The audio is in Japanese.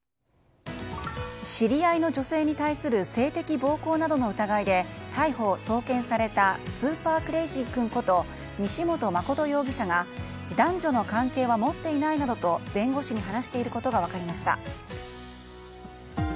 知り合いの女性に対する性的暴行などの疑いで逮捕・送検されたスーパークレイジー君こと西本誠容疑者が男女の関係は持っていないなどと弁護士に話していることが分かりました。